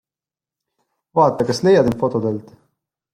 Vaata, kas leiad end fotodelt!